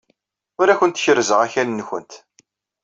Ur awent-kerrzeɣ akal-nwent.